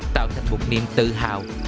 tạo thành một niềm tự hào